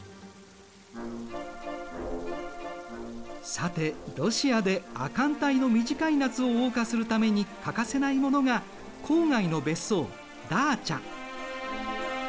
さてロシアで亜寒帯の短い夏をおう歌するために欠かせないものが郊外の別荘ダーチャ。